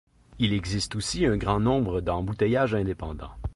Il existe aussi un grand nombre d’embouteillages indépendants.